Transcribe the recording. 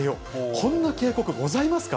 こんな警告ございますか？